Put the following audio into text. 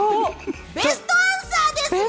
ベストアンサーですね！